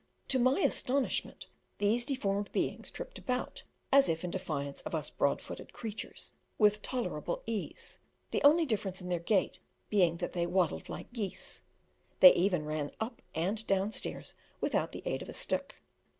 To my astonishment these deformed beings tripped about, as if in defiance of us broad footed creatures, with tolerable ease, the only difference in their gait being that they waddled like geese; they even ran up and down stairs without the aid of a stick.